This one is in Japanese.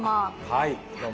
はいどうも。